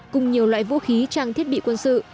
cùng nhiều loại vũ khí trang thiết bị quân sự